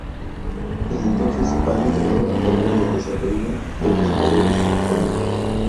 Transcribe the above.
Desde entonces ha liderado la carrera del desarrollo de buscadores en Corea.